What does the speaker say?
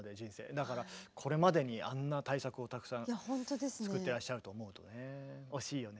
だからこれまでにあんな大作をたくさん作ってらっしゃると思うとね惜しいよね。